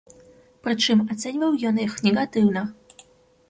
Прычым ацэньваў ён іх негатыўна.